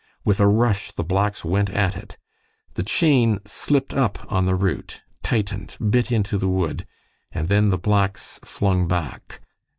With a rush the blacks went at it. The chain slipped up on the root, tightened, bit into the wood, and then the blacks flung back.